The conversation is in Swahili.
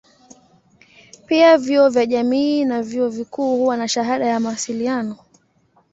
Pia vyuo vya jamii na vyuo vikuu huwa na shahada ya mawasiliano.